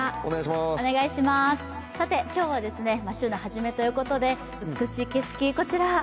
今日は週の初めということで美しい景色、こちら。